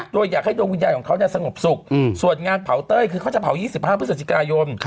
โดยอยากให้ดวงวิญญาณของเขาสงบสุขส่วนงานเผาเต้ยคือเขาจะเผา๒๕พฤศจิกายน